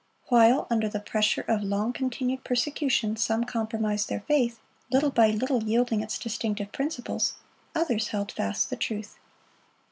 While, under the pressure of long continued persecution, some compromised their faith, little by little yielding its distinctive principles, others held fast the truth.